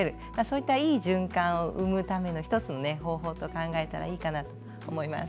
いったいい循環を生むための１つの方法をと考えたらいいかなと思います。